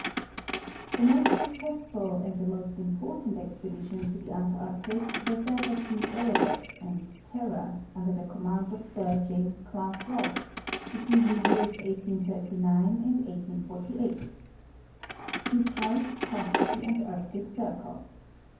The most successful and the most important expedition to the Antarctic was that of the Hrebus and Terror, under the command of Sir James Clark Ross, between the years 1839 and 1845. He thrice crossed the Antarctic circle.